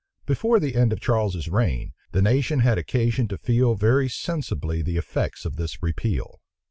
Before the end of Charles's reign, the nation had occasion to feel very sensibly the effects of this repeal.